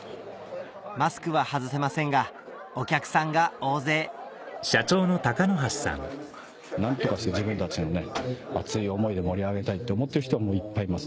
マスクは外せませんがお客さんが大勢何とかして自分たちのね熱い思いで盛り上げたいって思ってる人はいっぱいいます。